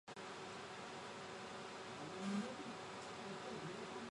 元基因组或总体基因体学是一门直接取得环境中所有遗传物质的研究。